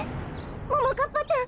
ももかっぱちゃん